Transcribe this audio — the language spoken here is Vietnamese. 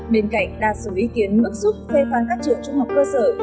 bên cạnh đa số ý kiến bức xúc phê phán các trường trung học cơ sở